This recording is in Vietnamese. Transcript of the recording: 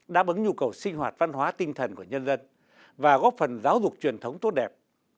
đáp ứng nhu cầu sinh hoạt văn hóa tinh thần của nhân dân và góp phần giáo dục truyền thống tốt đẹp